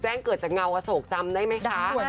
แจ้งเกิดจากเงาอโศกจำได้ไหมคะ